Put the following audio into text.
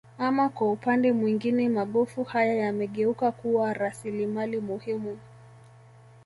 Ama kwa upande mwingine magofu haya yamegeuka kuwa rasilimali muhimu